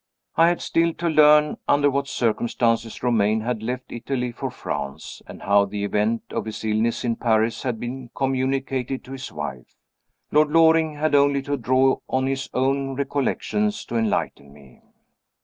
I had still to learn under what circumstances Romayne had left Italy for France, and how the event of his illness in Paris had been communicated to his wife. Lord Loring had only to draw on his own recollections to enlighten me.